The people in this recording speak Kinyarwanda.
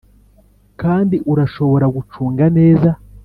kandi urashobora gucunga neza.